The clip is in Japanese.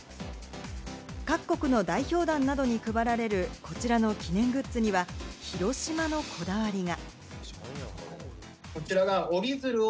各国の代表団などに配られる、こちらの記念グッズには広島のこだわりが。